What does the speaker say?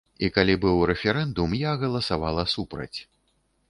І калі быў рэферэндум, я галасавала супраць.